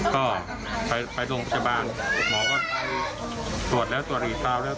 ก็ไปลงจับบานหมอก็ตรวจแล้วตรวจอีกคราวแล้ว